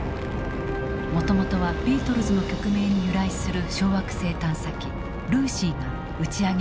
もともとはビートルズの曲名に由来する小惑星探査機ルーシーが打ち上げられた。